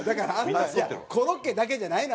コロッケだけじゃないのよ